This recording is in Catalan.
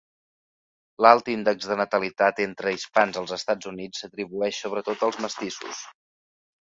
L'alt índex de natalitat entre hispans als Estats Units s'atribueix sobretot als mestissos.